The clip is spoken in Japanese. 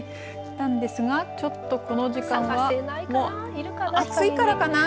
なんですが、ちょっとこの時間は暑いからかな。